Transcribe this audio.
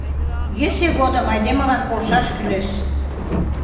Йӧсӧ годым айдемылан полшаш кӱлеш.